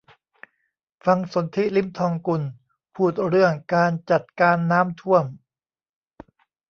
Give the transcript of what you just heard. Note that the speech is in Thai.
ฟังสนธิ ลิ้มทองกุล พูดเรื่องการจัดการน้ำท่วม